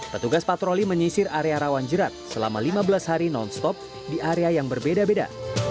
petugas patroli menyisir area rawan jerat selama lima belas hari non stop di area yang berbeda beda